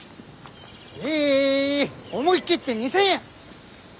え思い切って２，０００円！